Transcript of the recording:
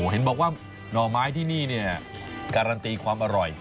เห็นบอกว่าหน่อไม้ที่นี่การันตีความอร่อย